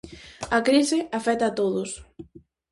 A crise afecta a todos.